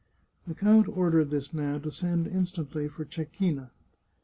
The count ordered this man to send instantly for Cecchina.